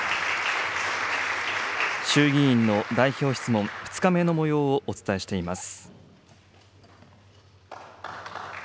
衆議院の代表質問、２日目のもようをお伝えしています。